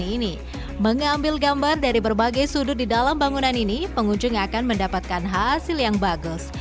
ini mengambil gambar dari berbagai sudut di dalam bangunan ini pengunjung akan mendapatkan hasil yang bagus